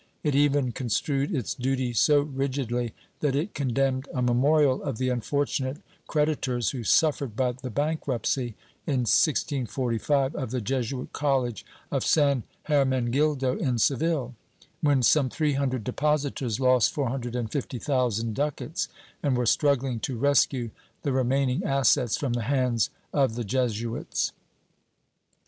It even construed its duty so rigidly that it condemned a memorial of the unfortunate credi tors who suffered by the bankruptcy, in 1645, of the Jesuit College of San Hermengildo in Seville, when some three hundred depositors lost four hundred and fifty thousand ducats, and were struggling to rescue the remaining assets from the hands of the Jesuits.